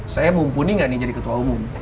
saya mumpuni nggak nih jadi ketua umum